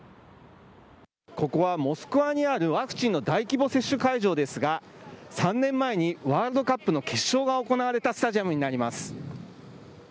ここはモスクワにあるワクチンの大規模接種会場ですが、３年前にワールドカップの決勝が行われたスタジアムになります。